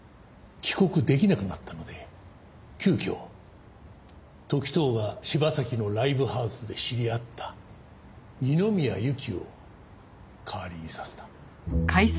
帰国できなくなったので急きょ時任が柴崎のライブハウスで知り合った二宮ゆきを代わりにさせた。